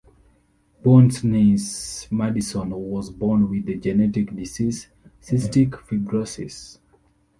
Bourne's niece Madison was born with the genetic disease Cystic Fibrosis.